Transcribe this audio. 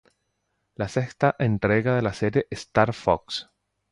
Es la sexta entrega de la serie "Star Fox".